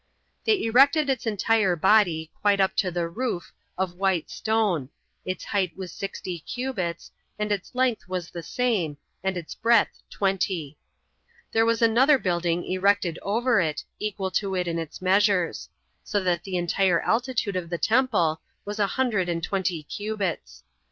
They erected its entire body, quite up to the roof, of white stone; its height was sixty cubits, and its length was the same, and its breadth twenty. There was another building erected over it, equal to it in its measures; so that the entire altitude of the temple was a hundred and twenty cubits.